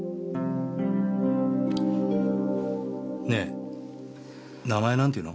ねえ名前なんていうの？